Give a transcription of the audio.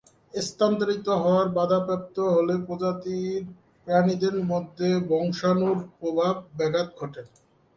স্থানান্তরিত হওয়ার বাধা প্রাপ্ত হলে প্রজাতির প্রাণীদের মধ্যে বংশাণুর প্রবাহে ব্যাঘাত ঘটে।